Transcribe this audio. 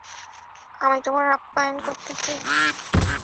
আমি তোমার আপ্যায়ন করতে চাই।